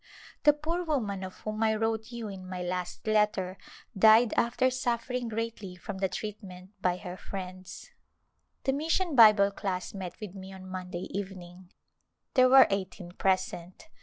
The poor woman of whom I wrote you in my last In the Mountams letter died after suffering greatly from the treatment by her friends. The Mission Bible Class met with me on Monday evening. There were eighteen present.